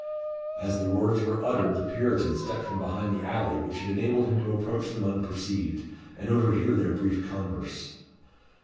As the words were uttered the Puritan stepped from behind the alley which had enabled him to approach them unperceived, and overhear their brief converse.